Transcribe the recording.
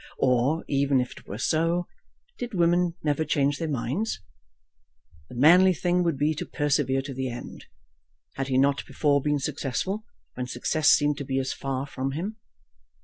Or, even if it were so, did women never change their minds? The manly thing would be to persevere to the end. Had he not before been successful, when success seemed to be as far from him?